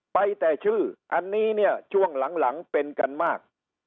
ไปแต่ชื่ออันนี้เนี่ยช่วงหลังเป็นกันมาก